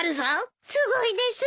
すごいです！